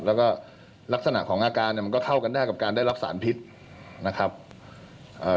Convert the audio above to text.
แล้วก็ลักษณะของอาการเนี้ยมันก็เข้ากันได้กับการได้รับสารพิษนะครับเอ่อ